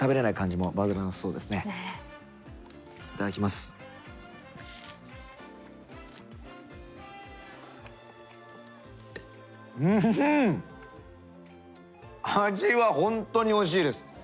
味はほんとにおいしいです！